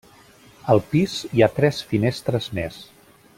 Al pis, hi ha tres finestres més.